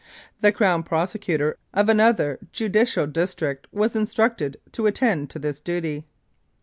The Crown Prosecutor of another judicial district was instructed to attend to this duty.